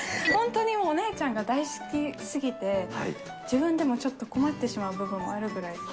本当にお姉ちゃんが大好きすぎて、自分でもちょっと困ってしまう部分もあるぐらい。